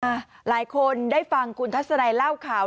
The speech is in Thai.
หลายคนได้ฟังคุณทัศนัยเล่าข่าว